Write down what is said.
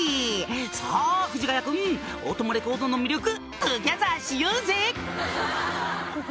「さぁ藤ヶ谷君大友レコードの魅力トゥギャザーしようぜ！」